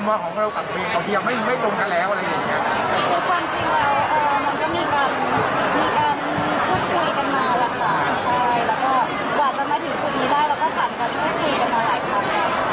แล้วก็จะก่อนจะไปถึงสุดนี้ได้ก็หลังจากนี้พูดคุยกันมาหลายครั้ง